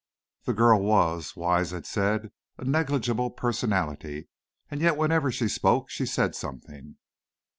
The girl was, Wise had said, a negligible personality, and yet whenever she spoke she said something!